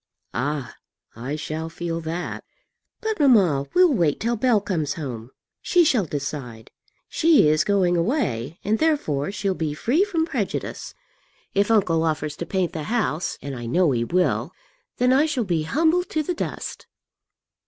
"Ah! I shall feel that." "But, mamma, we'll wait till Bell comes home. She shall decide. She is going away, and therefore she'll be free from prejudice. If uncle offers to paint the house, and I know he will, then I shall be humbled to the dust."